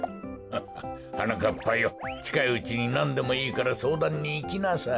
はなかっぱよちかいうちになんでもいいからそうだんにいきなさい。